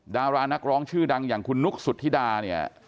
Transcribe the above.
ดารานักร้องชื่อดังอย่างคุณนุ๊กสุธิดาเนี่ย